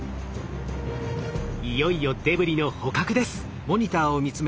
いよいよデブリの捕獲です。